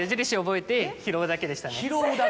拾うだけ？